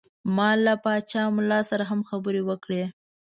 ما له پاچا ملا سره هم خبرې وکړې.